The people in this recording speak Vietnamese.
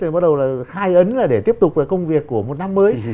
rồi bắt đầu là khai ấn là để tiếp tục công việc của một năm mới